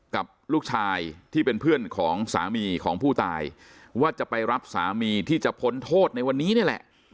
กับลูกชายที่เป็นเพื่อนของสามีของผู้ตายว่าจะไปรับสามีที่จะพ้นโทษในวันนี้นี่แหละ